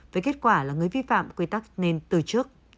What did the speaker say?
với kết quả là người vi phạm quy tắc nên từ trước